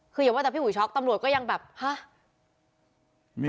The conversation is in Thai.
คืออย่าว่าแต่พี่อุ๋ยช็อกตำรวจก็ยังแบบฮะ